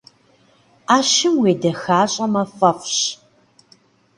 Ӏэщым уедэхащӏэмэ фӏэфӏщ.